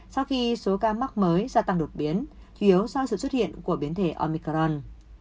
sau khi số ca mắc mới gia tăng đột biến thiếu do sự xuất hiện của biến thể omicron